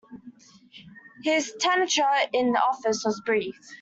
His tenure in office was brief.